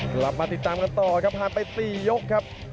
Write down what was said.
กลับมาติดตามกันต่อครับผ่านไป๔ยกครับ